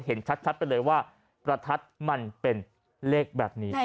เห็นชัดไปเลยว่าประทัดมันเป็นเลขแบบนี้